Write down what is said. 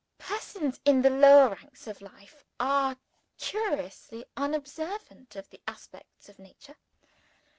Persons in the lower ranks of life are curiously unobservant of the aspects of Nature.